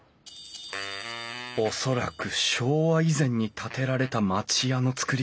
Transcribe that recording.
恐らく昭和以前に建てられた町家の造り